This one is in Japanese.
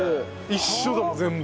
一緒だもう全部。